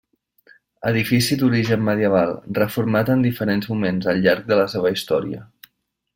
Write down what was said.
Edifici d'origen medieval, reformat en diferents moments al llarg de la seva història.